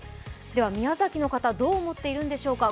では宮崎の方、どう思っているんでしょうか。